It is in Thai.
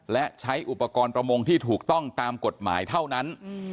และใช้อุปกรณ์ประมงที่ถูกต้องตามกฎหมายเท่านั้น